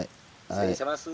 「失礼します」。